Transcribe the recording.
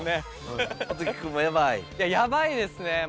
やばいですね。